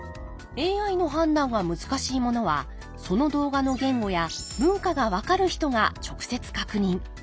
ＡＩの判断が難しいものはその動画の言語や文化が分かる人が直接確認。